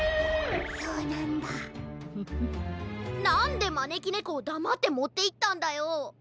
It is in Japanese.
なんでまねきねこをだまってもっていったんだよ。